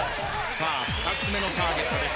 さあ２つ目のターゲットです。